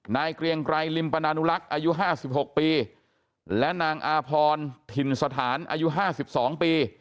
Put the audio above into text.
เกรียงไกรริมปนานุลักษณ์อายุ๕๖ปีและนางอาพรถิ่นสถานอายุ๕๒ปี